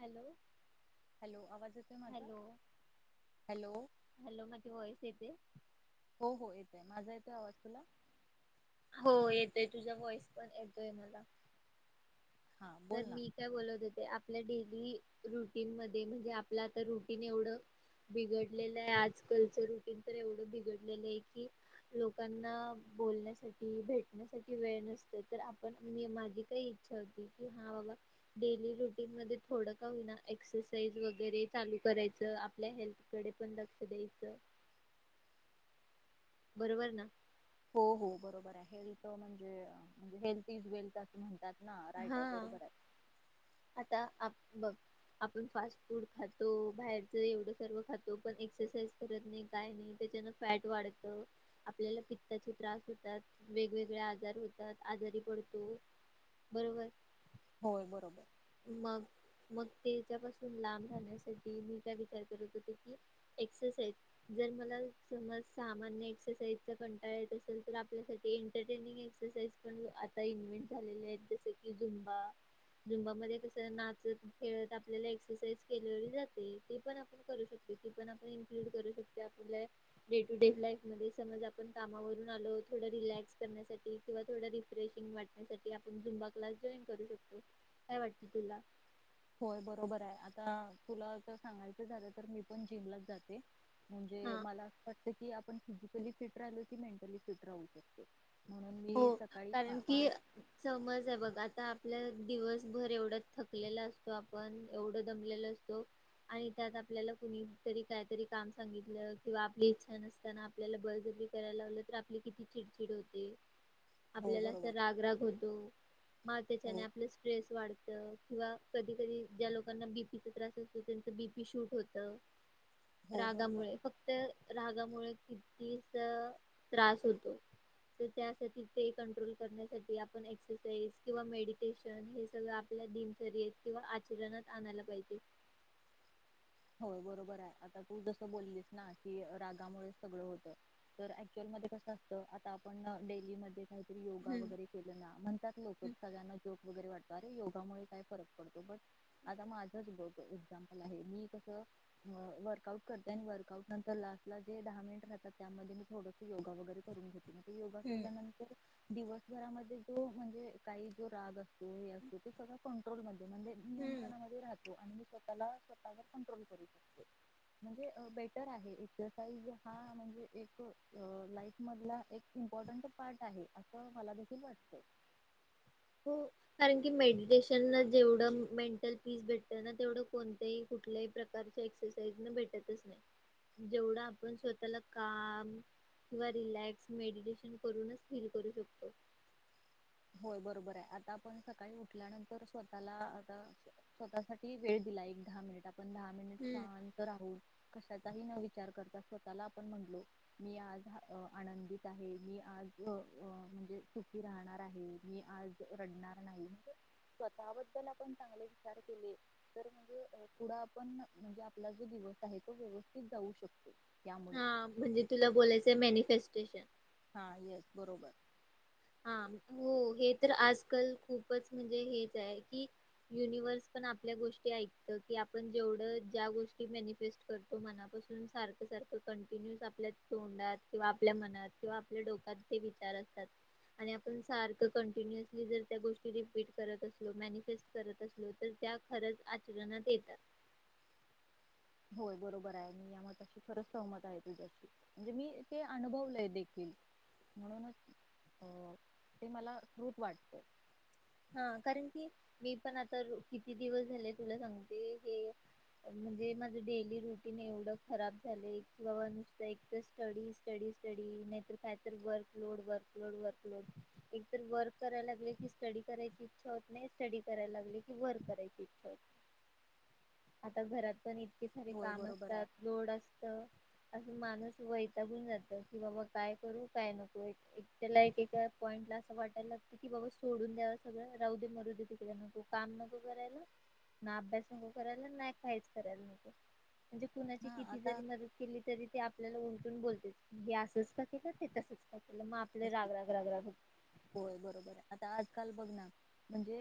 Hello hello आवाज येतोय माझा हॅलो हॅलो हॅलो माझी [inaudible] हो हो माझा येतोय आवाज तुला हो येतोय तुझा वॉइस पण येतोय मला हा बोल तर ना मी काय बोलत होते? ते आपल्या डेली रुटीन मध्ये म्हणजे आपल आता रुटीन एवढ बिघडलेल ये आजकालच रुटीन तर एवढ बिघडलेल आहे की लोकांना बोलण्यासाठी भेटण्यासाठी वेळ नसतो. तर आपण मी माझी काय इच्छा होती की, कि हा बाबा डेली रुटीन मध्ये थोड का होईना एक्सरसाइज वगैरे चालू करायच आपल्या हेल्थ कडे पण लक्ष द्यायच. बरोबर ना हो हो बरोबर आहे हेल्थ म्हणजे म्हणजे हेल्थ इज वेल्थ अस म्हणतात. ना राईट हा आहे बरोबर आहे आता आप बघ आपण फास्ट फूड खातो बाहेरच एवढ सर्व खातो पण एक्सरसाइज करत नाही काय नाही त्याच्यान फॅट वाढत आपल्याला पित्ताचे त्रास होतात वेगवेगळे आजार होतात आजारी पडतो. बरोबर होय बरोबर मग मग तेच्यापासून लाब राहण्यासाठी मी काय विचार करत होते की एक्सरसाइज जर मला समज सामान्य एक्सरसाइजचा कंटाळा येत असेल तर आपल्यासाठी एंटरटेनींग एक्सरसाइज पण आता इनविट झालेल्या आहेत जस की जुम्बा जुम्बा मध्ये कस नाचत खेळत आपल्याला एक्सरसाईझ केलली जाते ती पण आपण करू शकतो ती पण आपण इन्कलुड करू शकतो आपल्याला डे तो डे लाईफ मध्ये समज आपण कामावरून आलो थोड रिलॅक्स करण्यासाठी किंवा थोड रेफ्रेसिंग वाटण्यासाठी आपण झुम्बा क्लास जॉईन करू शकतो. काय वाटत तुला? होय बरोबर आहे आता तुला तर सांगायच झाल तर मी पण जिमलाच जाते. हा म्हणजे मला अस वाटत. कीती आपण फिजिकली फिट राहिलो की मेंटली फिट राहू शकतो. म्हणून हो मी सकाळी कारण पा- की पाच समज ये बघ आता आपल्या दिवसभर एवढा थकलेला असतो आपण एवढ दमलेल असतो आणि त्यात आपल्याला कुणीतरी कायतरी काम सांगितल किंवा आपली इच्छा नसताना आपल्याला बळजबरी करायला लावल तर आपली किती चिडचिड होते. हो आपल्याला असा बरोबर आहे रागराग होतो. मार त्याच्याने हो आपला स्ट्रेस वाढ किंवा कधी कधी ज्या लोकांना बीपीचा त्रास असतो त्यांच बीपी शूट होत. हो बरोबर रागामुळे फक्त राग त्यामुळं कितीस त्रास होतो त्यासाठी ते कंट्रोल करण्यासाठी आपण एक्सरसाइज किंवा मेडिटेशन हे सगळ आपल्या दिनचर्येत किंवा आचरणात आणायला पाहिजे होय बरोबर आहे आता तू जस बोललीस ना की रागामुळे सगळ होत तर ऍक्च्युअल मध्ये कस असत आता आपण डेली मध्ये म योगा हम्म वगैरे केल ना म्हणतात लोक सगळ्यांना जोक वगैरे वाटत अरे योगामुळे काय फरक पडतो बट आता माझच एक्झाम्पल आहे मी वर्कआउट करते आणि वर्कआउट नंतर लास्ट ला जे दहा मिनिट राहतात त्यामध्ये मी थोडस योगा वगैरे करून घे योगा हम्म केल्यानंतर दिवसभरामध्ये जो म्हणजे काही जो राग असतो हे असतो त सगळ कंट्रोलमध्ये म्हजे हम्म. नियंत्रणामध्ये राहत आणि मी स्वतःला स्वतःवर कंट्रोल करू शकतो म्हणजे बेटर आहे एक्सरसाइज हा म्हणजे एक लाईफ मधला एक इम्पॉर्टंट पार्ट आहे अस मला देखील वाटत हो कारण की मेडिटेशन जेवढं मेंटल पीस भेटत ना तेवढ कोणत्याही कुठल्याही प्रकारच्या एक्सरसाइज भेटतच नाही जेवढ आपण स्वतःला काम किंवा रिलास्क मेडिटेशन करून फील करू शकतो होय बरोबर आहे आता आपण सकाळी उठल्यानंतर स्वतःला आता स्वतःसाठी वेळ दिला एक दहा मिनिट आपण दहा मिनिट हम्म. शांत राहू कशाचाही न विचार करत स्वतःला आपण म्हणलो मी आज आनंदित आहे मी आज म्हणजे सुखी राहणार मी आज रडणार नाही स्वतःबद्दल आपण चांगले विचार केले तर म्हणजे पुढ आपण म्हणजे आपला जो दिवस आहे तो व्यवस्थित जाऊ शकतो त्यामुळे हा म्हणजे तुला बोलायचंय मॅनिफेस्टो स्टेशन- हा येस बरोबर हा हो हे तर आजकाल खूपच म्हणजे हेच आहे कि युनिव्हर्स पण आपल्या गोष्टी ऐकत कि आपण जेवढ ज्या गोष्टी मनिफेस्ट करतो मनापासून सारखं सारखं कंटिन्युस आपल्या तोंडात किंवा आपल्या मनात किंवा आपल्या डोक्यात ते विचार असतात आणि आपण सारख कंटिन्युअसली जर त्या गोष्टी रिपीट करत असलो मॅनिफेस्ट करत असलो तर त्या खरंच आचरणात येतात होय बरोबर आहे मी या मशी खरच सहमत आहे तुझ्याशी म्हणजे मी ते अनुभवलय देखील म्हणूनच अ ते मला स््रृत वाटत. हा कारण की मी पण आता किती दिवस झाले तुला सांगते हे म्हणजे माझ डेली रुटीन एवढं खराब झालं बावा नुसत एक स्टडी, स्टडी स्टडी नाहीतर कायत workload work load work load एकत वर्क करायला लागले की स्टडी करायची इच्छा होत नाही स्टडी करायला लागली की वर्क करायची इचछा होत आता घरात पण इतके सारे होय काम बरोबर आहे असतात लोड असत असं माणूस वैतागून जात की बाबा काय करू काय नको त्याला एक एका पॉइंट ला असं वाटायला लागतं की बाबा सोडून द्यावा सगळ राऊदी मरुदी तिकडे नको काम नको करायला ना अभ्यास नको करायला ना काहीच करायला नको म्हणजे कुणाची हा किती जरी आता मदत केली तरी ते आपल्याला उलटून बोलते बसच काक का ते तच का केलं मग आपले राग राग राग राग होय बरोबर आहे आता आज बघ म्हणजे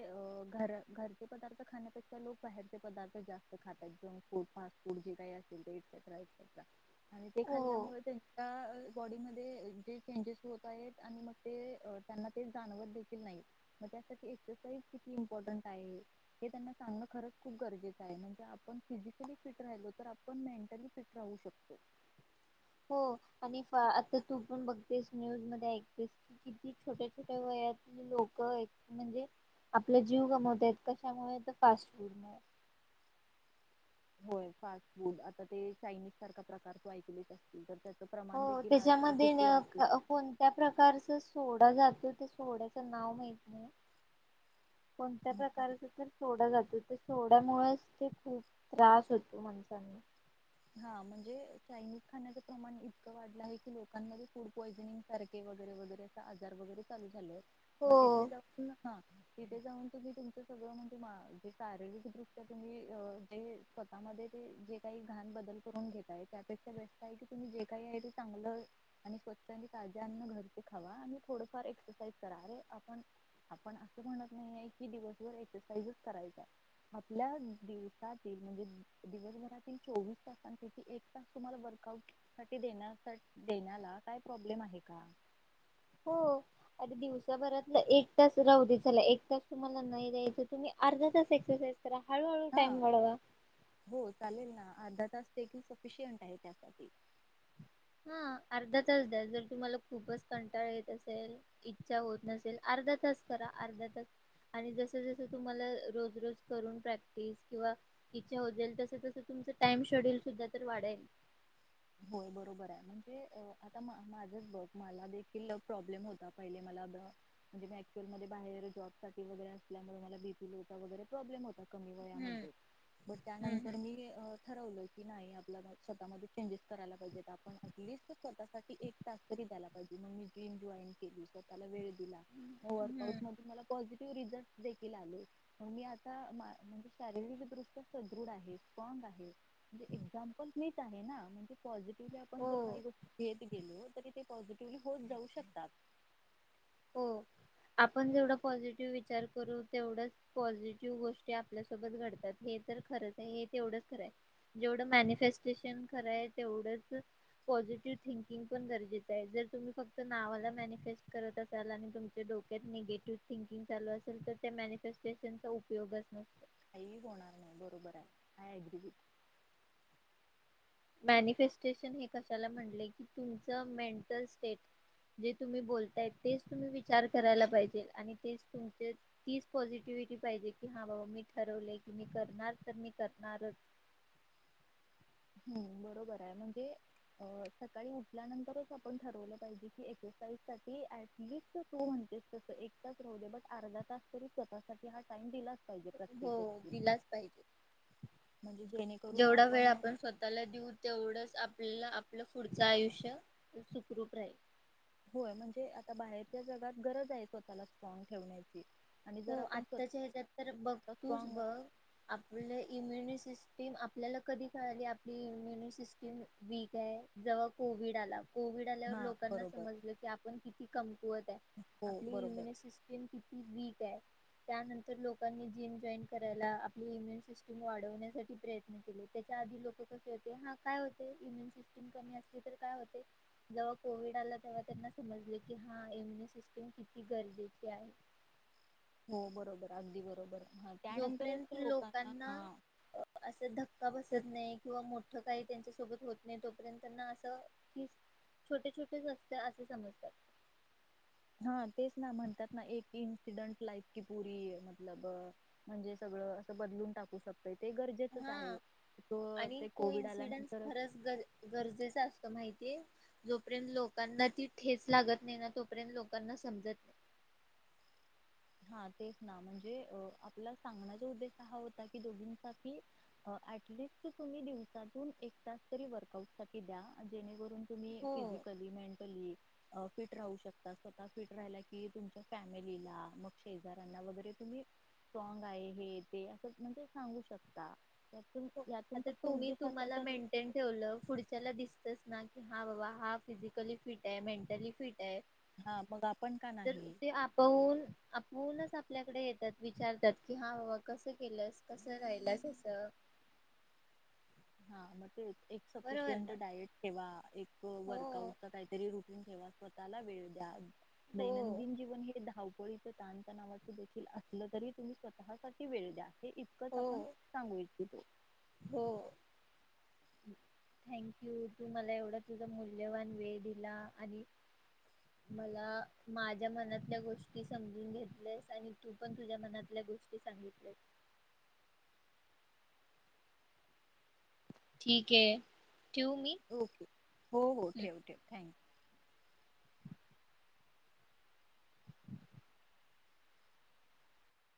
घरचे पदार्थ खाण्यापेक्षा लोक बाहेरचे पदार्थ जास्त खातात जंू फ फूडे काही अस ते हो खाल्ल्यामुळे त्यांच्या बॉडीमध्येे चेंजेस मोबाईल आणि मग ते त्यांना ते जाणवत देखील नाही मग त्यासाठी एक्सरसाइज किती इम्पॉर्टंट आहे हे त्यांना सांगण खरच खूप गरजेचं आहे म्हणजे आपण फिजिकली फिट राहिलो तर आपण मेंटली फिट राहू शकतो हो आणि आता तू पण बघतेस न्यूज मध्ये ऐकतेस क किती छोट्या छोट्या वया लोक म्हणजे आपला जीव गमवतय कशामुळे फास्ट फूड हो फास्ट फूड आ ते चायनीज सारख प्रकार ऐकले असतील तर प्रमाण हो देखील आजकाल त्याच्यामध्ये खूप वाढलं कोणत्या प्रकारच सोडा जातो त्या सोड्याच नाव माहत नाही कोणत्या प्रकारच तर सोड जात सोड्यामुळेच ते खूप त्रास होतो माणसांना हा म्हणजे चायनीज खाण्याचं प्रमाण इतकं वाढलं आहे की लोकांमध्ये फूड पॉयझनिंग सारखे वगैरे वगैरे अस आजार वगैरे चालू झाले. मग हो तिथे जाऊ हा तिथे जाऊन तुम्ही तुमच सगळ म्हणजे मा जे शारीरिक दृष्ट्या तुम्ही जे स्वतः मध्ये जे काही घाण बदल करून घेताय त्यापेक्षा बेस्ट आहे की तुम्ही जे काही आहे ते चांगलं आणि स्वच्छ आणि ताज्या अन्न घरचे खावा आणि थोडफार एक्सरसाईज करा अरे आपण आपण असं म्हणत नाहीये की दिवसभर एक्सरसाइजच करायचाय आपल्या दिवसातील म्हणजे दिवसभरात चोवीस तासांसाठी एक तास तुम्हाला वर्कआऊट देण्या देण्याला काय प्रॉब्लेम आहे का? हो अरे दिवसाभरातलं एक तास राहूदे चला एक तास तुम्हाला नाही द्यायचं तुम्ही अर्धा तास एक्सरसाइज हळूहळू हा टाईम वाढवा हो चालेल ना अर्धा तास देखील सफिशियंट आहे त्यासाठी हा अर्धा तास द्या जर तुम्हाला खूपच कंटाळ येत असेल इच्छा होत नसेल अर्धा तास करा अर्धा तास आणि जस जसं तुम्हाला रोज रोज करून प्रॅक्टिस किंवा इच्छा होत जाईल तस तस तुमच टाइम शेड्यल सुद्धा तर वाढेल. होय बरोबर आहे म्हणजे आता मा माझच बघ मला देखील प्रॉब्लेम होता पहिले मला म्हणजे ऍक्च्युअल मध्ये बाहेर जॉब साठी वगैरे असल्यामुळे मला बीपी लो वगैरे प्रॉब्लेम होता कमी हम्म वयामध्ये बट हम्म त्यानंतर मी ठरवल की नाही आपल्या म स्वतःमध्ये चेंजेस करायला पाहिजेत आपण ऍटलीस्ट स्वतः साठी एक तास तरी द्यायला पाहिजे मग मी जिम जॉईन केली स्वतः ला वेळ दिला हम्म म वर्क आऊट हम्म मध्ये मला पॉसि ते रिजल्ट देखील आले मग मी आता मा म्हणजे शारीरिक दृष्ट्या सदृढ आहे स्ट्रॉंग आहे म्हणजे एक्साम्पल मीच आहे ना म्हणजे पॉझि ते आपण हो जर काही गोष्ट घेत गेलोत तरी ते पॉझिटिव्हली होतं जाऊ शकतात हो आपण जेवढ पॉझिटिव्ह विचार करू तेवढ पॉझिटिव्ह गोष्टी आपल्यासोबत घडतात हे तर खरच तेवढच खर आहे जेवढ मॅन्युफेस्टेशन खर आहे तेवढच पॉझिटिव्ह थिंकिंग पण गरजेचं आहे जर तुम्ही फक्त नावालाच मॅन्युफेस्टेशन करत अस कराला आणि तुमच्या डोक्यात निगेटिव्ह थिंकिंग चालू असेल तर त्या मॅनिफेस्टेशनचा उपयोगच नसतो. काई होणार नाही बरोबर आहे आय अग्री विथ मॅनिफेस्टेशन हे कशाला म्हणले की तुमच मेंटल स्टेट जे तुम्ही बोलताय तेच तुम्ही विचार करायला पाहिजेल आणि तेच तुमचे तीच पॉसिटीव्हिटी पाहिजे की हा बाबा मी ठरवले की मी करणार तर मी करणारच हो बरोबर आहे म्हणजे अअ सकाळी उठल्यानंतरच आपण ठरवलं पाहिजे की एक्सरसाइज साठी ऍटलीस्ट तू म्हणतेस तस एक तास राहूदे बट अर्धा तास तरी स्वतःसाठी हा टाइम दिलाच पाहिजे प्रत्येक हो व्यक्ती दिलाच पाहिजे. म्हणजे जेणेकरून जेवढा वेळ आपण स्वतःला देऊ तेवढंच आपल्याला आपलं पुढचं आयुष्य सुखरूप राहील. होय म्हणजे आता बाहेरच्या जगात गरज आहे स्वतःला स्ट्रॉंग ठेवण्याची आणि हो जर आपण स्वतः आत्ताच्या ह्याच्यात तर बघ तूच स्ट्रॉंग बघ आपलं इम्युनिसिस सिस्टीम आपल्याला कधी कळाली आपली इम्युनी सिस्टीम वीक आहे जेव्हा कोविड आला कोविड आल्यावर हा लोकांना बरोबर समजलं की आपण कि की कम कुवत हाय हो आपली बरोबर इम्युनिसिस्टीम की [inaudible] त्यानंतर लोकांनी जिम जॉईन करायला आपली इम्युनी सिस्टम वाढवण्यासाठी प्रयत्न केले त्याच्या आधी लोक कसे होते हा काय होते इम्युून सिस्टम कमी असली तर काय होतय जेव्हा कोविड आला तेव्हा त्यांना समजले कि हा इम्युनि सिस्टम किती गरजेची आहे. हो बरोबर अगदी बरोबर हा त्यानंतरच जोपर्यंत लोकांना हा असं धक्का बसत बसत नाही किंवा मोठं काही त्यांच्या सोबत होत नाही तोपर्यंत त्यांना असं छोटे छोटेच असत असे समजतात. हा तेच ना म्हणतात ना एक इन्सिडंट लाईफ की पुरी मतलब म्हणजे सगळं असं बदलून टाकू शक हा आणि ते कोविड को-इन्सिडेनट आल्यानंतर खरंच गर गरजेचा असतो माहि जे जोपर्यंत लोकांना ती ठेच लागत नाही ना तोपर्यंत लोकांना समजत नाही. हा तेच ना म्हणजे अ आपला सांगण्याचा उद्देश हा होता की दोघींन साठी ऍटलीस्ट तुम्ही दिवसातून एक तास तरी वर्कआउट साठी द्या जेणेकरून तुम्ही हो फिजिकली मेन टली अ फिट, राहू शकता स्वतः फिट राहिला की तुमच्या फॅमिलीला मग शेजाऱ्यांना वगैरे तुम्ही स्ट्रॉंग आहे हे ते अस म्हणजे सांगू शकता. यातून हो यातून आता फक्त तुम्ही उद्देश असाच तुम्हाला आहे मेंटेन ठेवलं पुढच्याला दिसतस. नाही त हा बाबा हा फिजिकली फिट, आहे मेंटली फिट आहे. हा मग आपण का तर नाही ते आपहून आप होऊनच आपल्याकडे येतात विचारतात की हा बाबा कसं, केलंस कसं राहिलसा अस. हा मग ते एक बरोबर सफिशियंट ना डायट ठेवा, एक हो वर्कआउटचा काहीतरी रुटींग ठेवा स्वतःला वेळ द्या. हो दैनंदिन जीवन हे धाव पोळी च ताणतनावाच देखील असलं तरी तुम्ही स्वतःसाठी वेळ द्या. हे इतकंच हो आपण सांगू इच [unintelligible] हो थँक यू तू मला एवढा तुझा मूल्यवान वेळ दिला आणि मला, माझ्या मनातल्या गोष्टी समजून घेतलेस आणि तू पण तुझ्या मनातल्या गोष्टी सांगितल्यास. ठीक हे! ओके हो हो ठेव, ठेव थँक